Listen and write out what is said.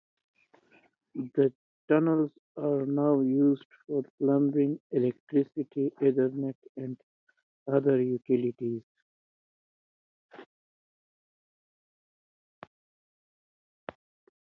The tunnels are now used for plumbing, electricity, ethernet, and other utilities.